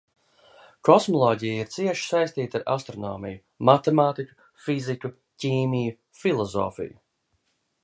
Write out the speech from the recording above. Kosmoloģija ir cieši saistīta ar astronomiju, matemātiku, fiziku, ķīmiju, filozofiju.